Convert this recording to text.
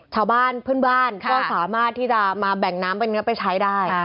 ชาวบ้านพื้นบ้านก็สามารถที่จะมาแบ่งน้ำไปใช้ได้